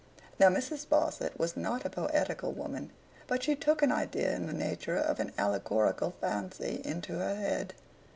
Now, Mrs. Sparsit was not a poetical woman; but she took an idea in the nature of an allegorical fancy, into her head.